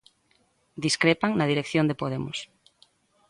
Discrepan na dirección de Podemos.